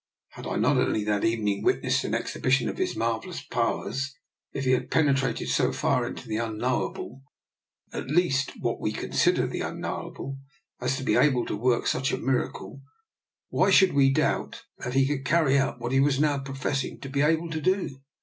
Had I not, only that evening, witnessed an exhibition of his marvellous powers? If he had penetrated so far into the Unknowable — at least what we considered the unknowable — as to be able to work such a miracle, why should we doubt that he could carry out what he was now pro fessing to be able to do?